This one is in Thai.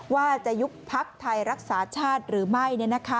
ว่าจะยุบพักไทยรักษาชาติหรือไม่